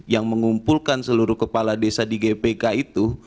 yang mengumpulkan seluruh kepala desa di gpk itu